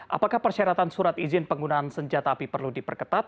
apakah persyaratan surat izin penggunaan senjata api perlu diperketat